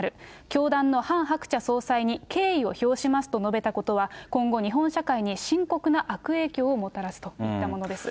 教団のハン・ハクチャ総裁に敬意を表しますと述べたことは、今後、日本社会に深刻な悪影響をもたらすといったものです。